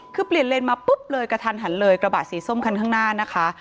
คือเปลี่ยนเลนมาปุ๊บเลยกระทันหันเลยกระบะสีส้มคันข้างหน้านะคะ